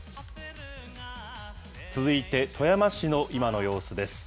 続いて富山市の今の様子です。